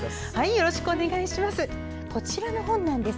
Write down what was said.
よろしくお願いします。